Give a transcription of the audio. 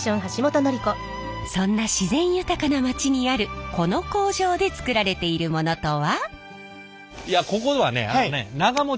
そんな自然豊かな町にあるこの工場で作られているものとは？